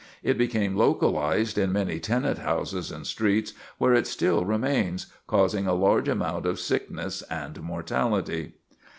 It became localized in many tenant houses and streets, where it still remains, causing a large amount of sickness and mortality.